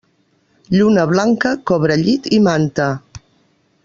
Lluna blanca, cobrellit i manta.